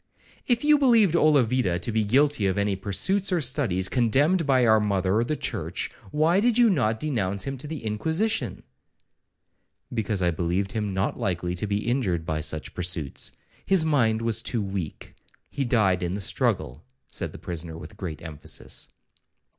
'If you believed Olavida to be guilty of any pursuits or studies condemned by our mother the church, why did you not denounce him to the Inquisition?'—'Because I believed him not likely to be injured by such pursuits; his mind was too weak,—he died in the struggle,' said the prisoner with great emphasis.